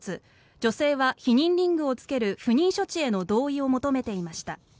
女性は避妊リングをつける不妊処置への同意を求めていました。